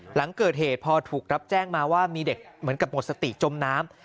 หลังเกิดเหตุพอถูกรับแจ้งมาว่ามีเด็กเหมือนกับหมดสติจมน้ำ